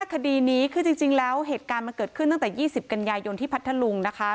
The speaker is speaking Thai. คดีนี้คือจริงแล้วเหตุการณ์มันเกิดขึ้นตั้งแต่๒๐กันยายนที่พัทธลุงนะคะ